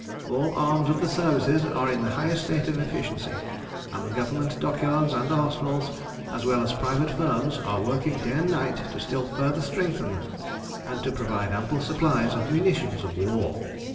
All arms of the Services are in the highest state of efficiency, and the Government dockyards and arsenals, as well as private firms, are working day and night to still further strengthen them, and provide ample supplies of munitions of war.